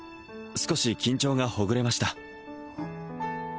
少し緊張がほぐれました